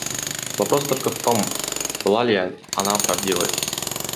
Вопрос только в том, была ли она правдивой.